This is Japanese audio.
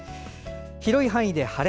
広い範囲で晴れ。